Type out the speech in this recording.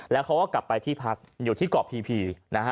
แล้วเขาก็กลับไปที่พักอยู่ที่เกาะพีนะฮะ